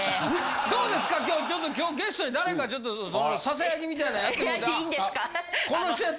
どうですか今日ちょっと今日ゲストで誰かちょっと囁きみたいなんやってもうて。